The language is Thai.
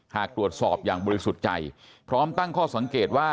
หากตรวจสอบอย่างบริสุทธิ์ใจพร้อมตั้งข้อสังเกตว่า